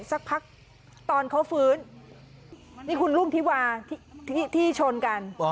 สักพักตอนเขาฟื้นนี่คุณรุ่งทิวาที่ชนกัน